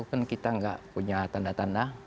kan kita nggak punya tanda tanda